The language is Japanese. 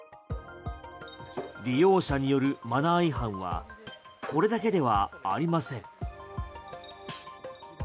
利用者によるマナー違反はこれだけではありません。